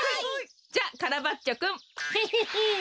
じゃカラバッチョくん。ヘヘヘ。